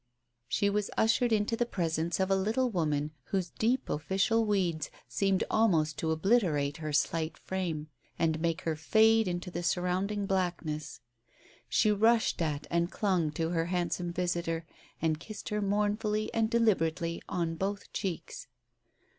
She was ushered into the presence of a little woman whose deep official weeds seemed almost to obliterate her slight frame and make her fade into the surrounding blackness. She rushed at and clung to her handsome visitor, and kissed her mournfully and deliberately on both cheeks.